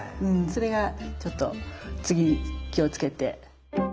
それがちょっと次気をつけて。